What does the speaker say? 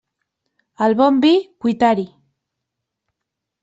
Al bon vi, cuitar-hi.